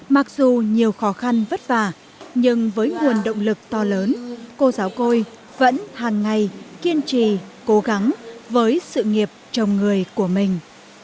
mặc dù nhiều khó khăn vất vả nhưng với nguồn động lực to lớn cô giáo côi vẫn hàng ngày kiên trì cố gắng với sự nghiệp chồng người của mình